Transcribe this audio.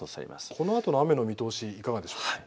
このあとの雨の見通し、いかがでしょうか。